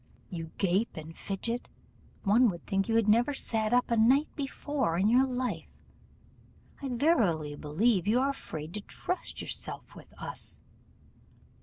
You gape and fidget: one would think you had never sat up a night before in your life. I verily believe you are afraid to trust yourself with us.